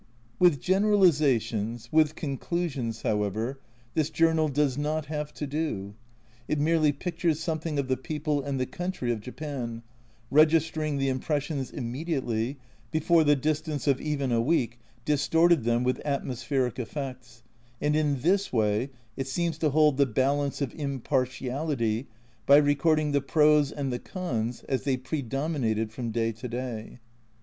With generalisations, with conclusions, however, this journal does not have to do. It merely pictures something of the people and the country of Japan, registering the impressions immediately, before the distance of even a week distorted them with atmo spheric effects, and in this way it seems to hold the balance of impartiality by recording the pros and the cons as they predominated from day to day.